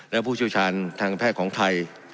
และผู้เชี่ยวชาญทางแพทย์ของไทย